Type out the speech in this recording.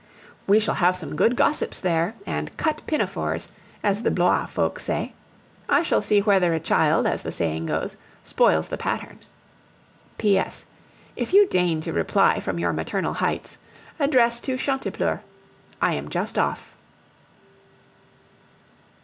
We shall have some good gossips there, and "cut pinafores," as the Blois folk say. I shall see whether a child, as the saying goes, spoils the pattern. P. S. If you deign to reply from your maternal heights, address to Chantepleurs. I am just off.